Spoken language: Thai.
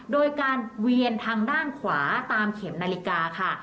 โดยการเวียนทางด้านขวาตามเข็มนาฬิกาค่ะ